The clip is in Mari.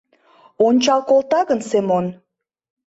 Ончал колта гын Семон